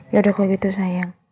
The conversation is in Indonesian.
yaudah kok gitu sayang